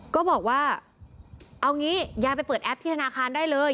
ก็บอกว่าเอางี้ยายไปเปิดแอปที่ธนาคารได้เลย